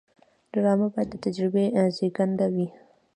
ډرامه باید د تجربې زیږنده وي